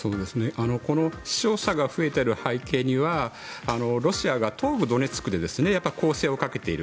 この死傷者が増えている背景にはロシアが東部ドネツクで攻勢をかけている。